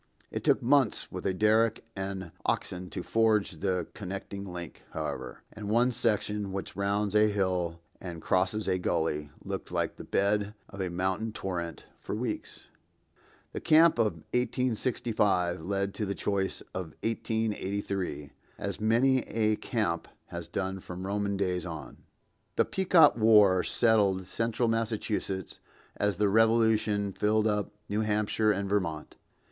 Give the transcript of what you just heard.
It took months with a derrick and oxen to forge the connecting link, however; and one section, which rounds a hill and crosses a gully, looked like the bed of a mountain torrent for weeks. The camp of 1865 led to the choice of 1883, as many a camp has done from Roman days on. The Pequot war settled central Massachusetts as the Revolution filled up New Hampshire and Vermont.